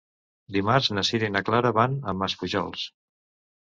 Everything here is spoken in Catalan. Dimarts na Sira i na Clara van a Maspujols.